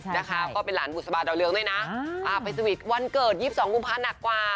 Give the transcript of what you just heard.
นะคะก็เป็นหลานบุษบาดาวเรืองด้วยนะไปสวิตช์วันเกิด๒๒กุมภาหนักกว่า